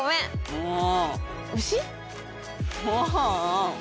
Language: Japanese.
もう！